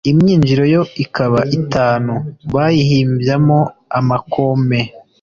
Imyinjiro yo ikaba itanu Bayihimbyamo amakome